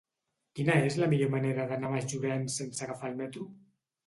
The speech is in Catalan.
Quina és la millor manera d'anar a Masllorenç sense agafar el metro?